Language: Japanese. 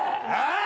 ああ！